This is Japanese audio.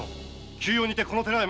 急用にてこの寺へ参る。